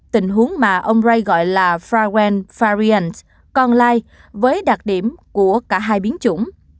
tình huống mà ông ray gọi là fragrant variant con lai với đặc điểm của cả hai biến chủng